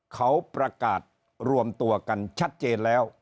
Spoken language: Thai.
เขาประกาศรวมตัวกันชัดเจนแล้ว